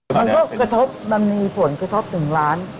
มันก็กระทบมันมีผลกระทบถึงล้าน